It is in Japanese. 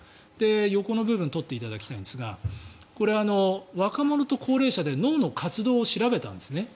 横の部分を撮っていただきたいんですがこれ、若者と高齢者で脳の活動を調べたんです。